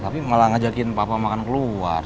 tapi malah ngajakin papa makan keluar